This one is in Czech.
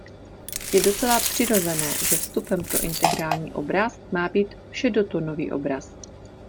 Je docela přirozené, že vstupem pro integrální obraz má být šedotónový obraz.